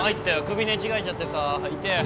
首寝違えちゃってさ痛え